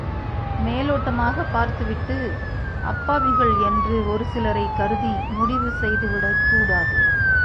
மேலோட்டமாகப் பார்த்துவிட்டு அப்பாவிகள் என்று ஒருசிலரைக் கருதி முடிவு செய்துவிடக்கூடாது.